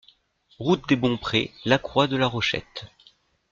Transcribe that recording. Route des Bons Prés, La Croix-de-la-Rochette